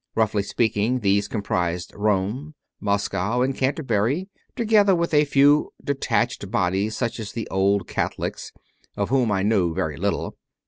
Roughly speaking, these comprised Rome, Moscow, and Canterbury, together with a few detached bodies, such as the "Old Catholics," of whom I knew very little.